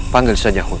panggil saja hud